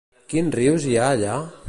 Quins rius hi ha allà?